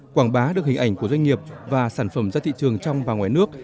quảng bá được hình ảnh của doanh nghiệp và sản phẩm ra thị trường trong và ngoài nước